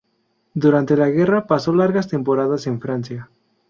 Durante la guerra pasó largas temporadas en Francia.